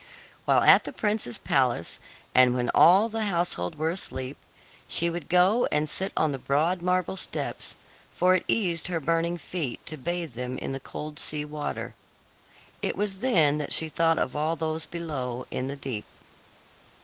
While at the prince's palace, and when all the household were asleep, she would go and sit on the broad marble steps, for it eased her burning feet to bathe them in the cold sea water. It was then that she thought of all those below in the deep.